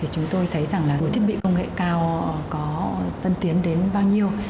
chúng tôi thấy rằng là với thiết bị công nghệ cao có tân tiến đến bao nhiêu